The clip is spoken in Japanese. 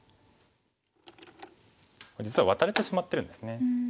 実はワタれてしまってるんですね。